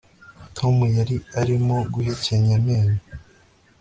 Tom yari arimo guhekenya amenyo